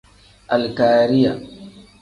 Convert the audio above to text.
Alikariya.